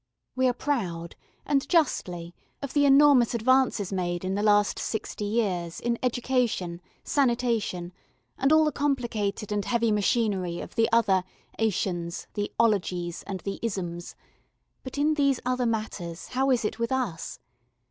We are proud, and justly, of the enormous advances made in the last sixty years in education, sanitation, and all the complicated and heavy machinery of the other 'ations, the 'ologies, and the 'isms; but in these other matters how is it with us?